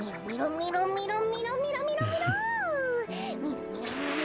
みろみろみろみろみろ。